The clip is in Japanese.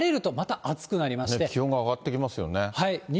木、金、気温が上がってきますよね。